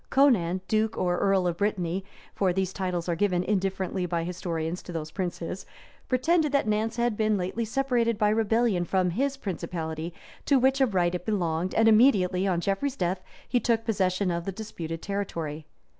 Conan, duke or earl of Brittany (for these titles are given indifferently by historians to those princes) pretended that Nantz had been lately separated by rebellion from his principality, to which of right it belonged; and immediately on Geoffrey's death, he took possession of the disputed territory.